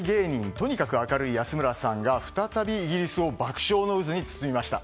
とにかく明るい安村さんが再びイギリスを爆笑の渦に包みました。